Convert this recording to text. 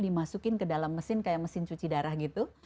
dimasukin ke dalam mesin kayak mesin cuci darah gitu